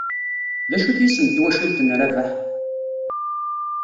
D acu-t yisem n twacult n Rabaḥ?